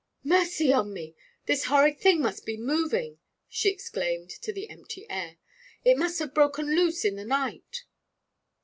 'Mercy on me! this horrid thing must be moving,' she exclaimed to the empty air. 'It must have broken loose in the night.'